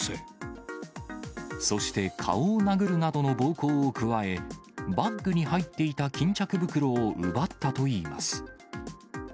そして顔を殴るなどの暴行を加え、バッグに入っていた巾着袋を奪ったといいます。